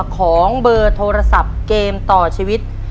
ของเบอร์โทรศัพท์เกมต่อชีวิต